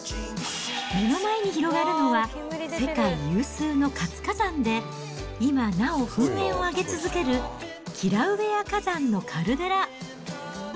目の前に広がるのは、世界有数の活火山で、今なお噴煙を上げ続けるキラウエア火山のカルデラ。